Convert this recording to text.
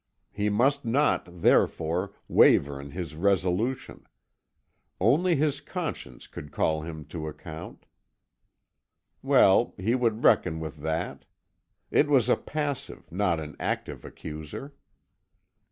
He must not, therefore, waver in his resolution. Only his conscience could call him to account. Well, he would reckon with that. It was a passive, not an active accuser.